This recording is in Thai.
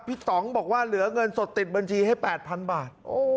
ต่องบอกว่าเหลือเงินสดติดบัญชีให้๘๐๐๐บาท